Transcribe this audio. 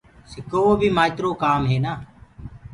سڪووو بي مآئيترو ڪآم هي نآ